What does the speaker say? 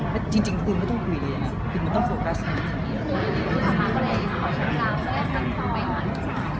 แต่จริงจริงคือไม่ต้องคุยเลยนะคือไม่ต้องโฟร์กัสกับเพื่อนก็ได้